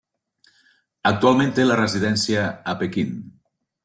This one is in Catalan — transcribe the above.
Actualment té la residència a Pequín.